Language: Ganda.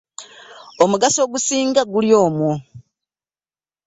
Omugaso ogusinga guli omwo.